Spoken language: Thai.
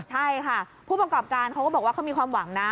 ใช่ค่ะผู้ประกอบการเขาก็บอกว่าเขามีความหวังนะ